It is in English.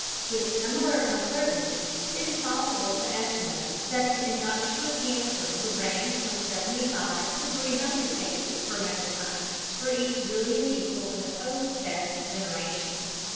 With similar uncertainty, it is possible to estimate that the induction of cancers would range from 75 to 300 cases per megaton for each billion people in the post test generation.